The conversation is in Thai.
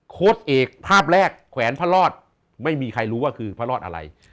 โค้ดเอกภาพแรกแขวนพระรอดไม่มีใครรู้ว่าคือพระรอดอะไร